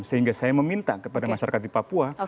sehingga saya meminta kepada masyarakat di papua